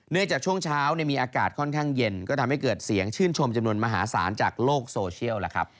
จากช่วงเช้ามีอากาศค่อนข้างเย็นก็ทำให้เกิดเสียงชื่นชมจำนวนมหาศาลจากโลกโซเชียลล่ะครับ